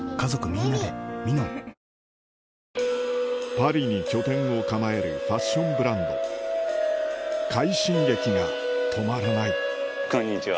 パリに拠点を構えるファッションブランド快進撃が止まらないこんにちは。